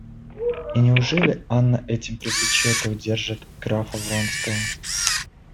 И неужели Анна этим привлечет и удержит графа Вронского?